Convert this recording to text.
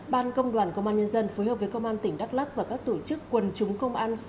ban công đoàn công an nhân dân phối hợp với công an tỉnh đắk lắc và các tổ chức quần chúng công an